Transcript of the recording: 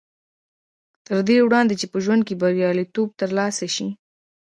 تر دې وړاندې چې په ژوند کې برياليتوب تر لاسه شي.